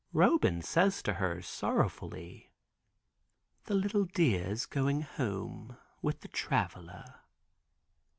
Roban says to her sorrowfully, "The little dear is going home with the Traveler."